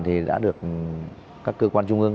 thì đã được các cơ quan trung ương